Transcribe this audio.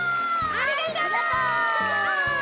ありがとう！